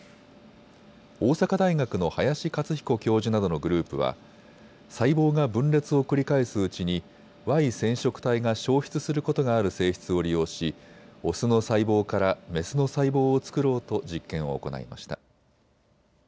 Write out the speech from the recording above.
大阪大学の林克彦教授などのグループは細胞が分裂を繰り返すうちにＹ染色体が消失することがある性質を利用しオスの細胞からメスの細胞を作ろうと実験を行いました。